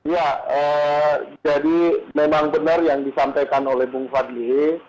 ya jadi memang benar yang disampaikan oleh bung fadli